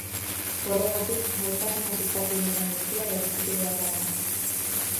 Horregatik, maitasunaz ikasi dugun guztia berrikusi beharra dago.